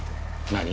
何？